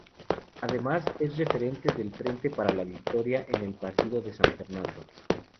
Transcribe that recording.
Además, es referente del Frente para la Victoria en el partido de San Fernando.